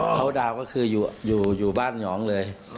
เขาดาวก็คืออยู่บ้านหนองเลย